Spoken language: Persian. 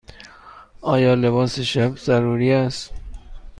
آیا لباس شب ضروری است؟